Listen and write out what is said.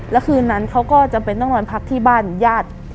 แล้วคืนนั้นเขาก็จำเป็นต้องนอนพักที่บ้านญาติ